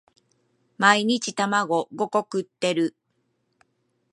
毎日卵五個食ってる？